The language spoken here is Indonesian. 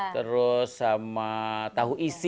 terus sama tahu isi